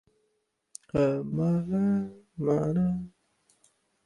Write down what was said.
Fundó el periódico "La Voz de Mayo".